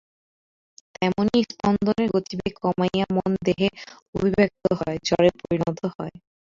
তেমনি স্পন্দনের গতিবেগ কমাইয়া মন দেহে অভিব্যক্ত হয়, জড়ে পরিণত হয়।